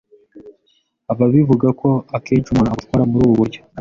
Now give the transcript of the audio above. Ababavugako akenshi umuntu ugutwara muri ubu buryo